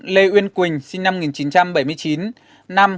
lê uyên quỳnh sinh năm một nghìn chín trăm bảy mươi chín